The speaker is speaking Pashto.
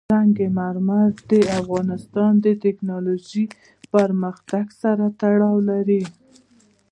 سنگ مرمر د افغانستان د تکنالوژۍ پرمختګ سره تړاو لري.